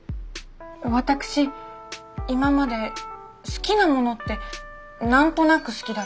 私今まで好きなものって何となく好きだったんですよ。